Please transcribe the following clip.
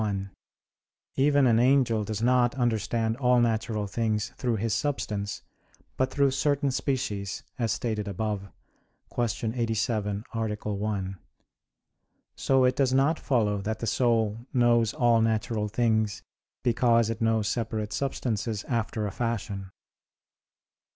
1: Even an angel does not understand all natural things through his substance, but through certain species, as stated above (Q. 87, A. 1). So it does not follow that the soul knows all natural things because it knows separate substances after a fashion.